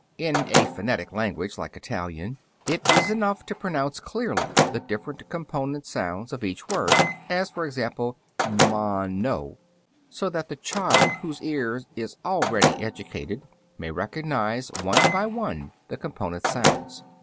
(Fig. 31.) In a phonetic language, like Italian, it is enough to pronounce clearly the different component sounds of a word (as, for example, m a n o), so that the child whose ear is already educated may recognize one by one the component sounds.